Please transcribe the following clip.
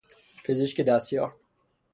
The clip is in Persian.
پزشک دستیار